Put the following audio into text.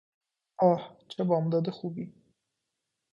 آه! چه بامداد خوبی!